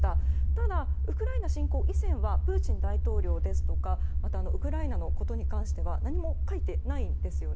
ただ、ウクライナ侵攻以前はプーチン大統領ですとかウクライナのことに関しては何も書いていないんです。